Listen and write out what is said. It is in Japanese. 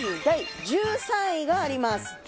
第１３位があります。